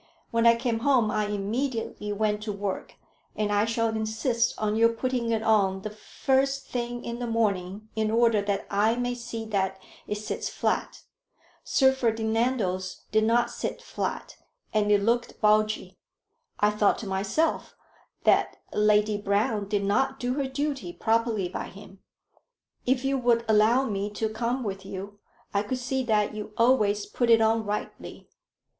When I came home I immediately went to work, and I shall insist on your putting it on the first thing in the morning, in order that I may see that it sits flat. Sir Ferdinando's did not sit flat, and it looked bulgy. I thought to myself that Lady Brown did not do her duty properly by him. If you would allow me to come with you, I could see that you always put it on rightly.